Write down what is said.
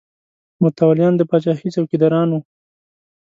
متولیان د پاچاهۍ څوکیداران وو.